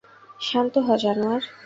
শান্ত হ জানোয়ার।